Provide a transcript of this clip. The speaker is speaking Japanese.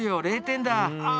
０点だあ。